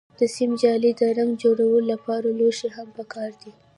د سیم جالۍ، د رنګ جوړولو لپاره لوښي هم پکار دي.